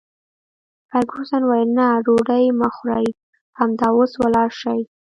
فرګوسن وویل: نه، ډوډۍ مه خورئ، همدا اوس ولاړ شئ.